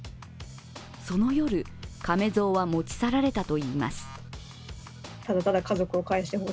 その夜、かめぞうは持ち去られたといいます。